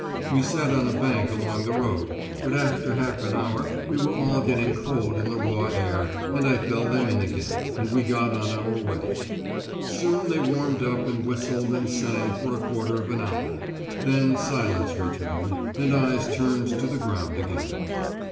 We sat on a bank along the road, but after half an hour we were all getting cold in the raw air, and I fell them in again, and we got on our way. Soon they warmed up and whistled and sang for a quarter of an hour; then silence returned, and eyes turned to the ground again.